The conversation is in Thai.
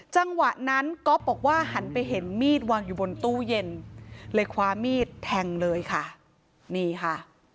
จังหวะนั้นก๊อฟบอกว่าหันไปเห็นมีดวางอยู่บนตู้เย็นเลยคว้ามีดแทงเลยค่ะนี่ค่ะ